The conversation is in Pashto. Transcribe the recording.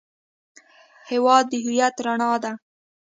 هېواد د هویت رڼا ده.